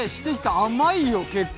甘いよ結構。